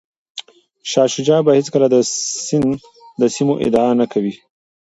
شاه شجاع به هیڅکله د سند د سیمو ادعا نه کوي.